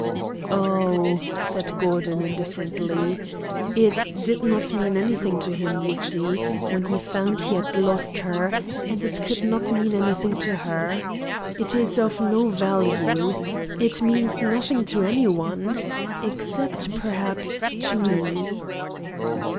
"Oh," said Gordon, indifferently, "it did not mean anything to him, you see, when he found he had lost her, and it could not mean anything to her. It is of no value. It means nothing to any one except, perhaps, to me."